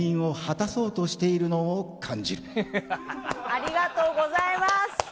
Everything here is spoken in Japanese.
ありがとうございます。